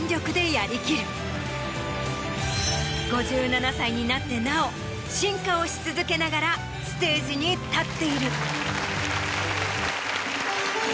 ５７歳になってなお進化をし続けながらステージに立っている。